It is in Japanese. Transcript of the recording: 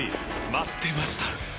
待ってました！